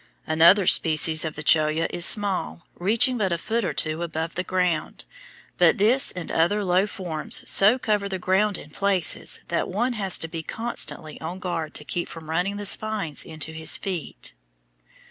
Another species of the cholla is small, reaching but a foot or two above the ground, but this and other low forms so cover the ground in places that one has to be constantly on guard to keep from running the spines into his feet.